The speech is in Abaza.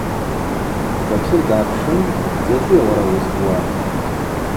Бакьыр дгӏапшын: – Дзачӏвыйа уара уызкӏуа?